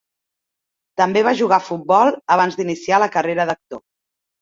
També va jugar a futbol abans d'iniciar la carrera d'actor.